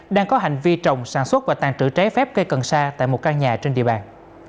đang có hành vi trồng sản xuất và tàn trữ trái phép cây cần sa tại một căn nhà trên địa bàn